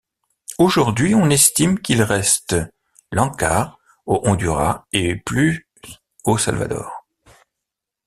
Aujourd'hui, on estime qu'il reste Lencas au Honduras et plus au Salvador.